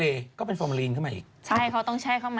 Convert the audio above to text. เดี๋ยวก่อนลูกชายพี่จะมีลูก